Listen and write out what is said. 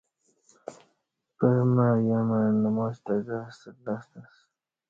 پرمع یامع نماچ تہ گاستہ لستہ اسہ